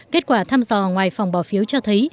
kết quả thăm dò ngoài phòng bỏ phiếu cho thấy